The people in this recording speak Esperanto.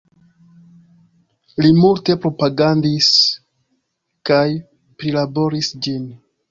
Li multe propagandis kaj prilaboris ĝin.